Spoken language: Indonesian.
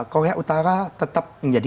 korea utara tetap menjadi